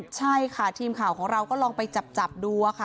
ใช่ค่ะทีมข่าวของเราก็ลองไปจับดูค่ะ